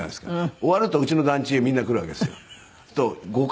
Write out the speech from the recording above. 終わるとうちの団地へみんな来るわけですよ。